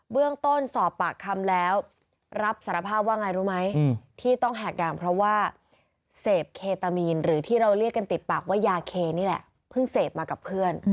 เบื้องต้นสอบปากคำแล้วรับสยพ